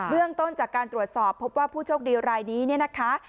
เรื่องต้นจากการตรวจสอบพบว่าผู้โชคดีรายนี้เนี่ยนะคะ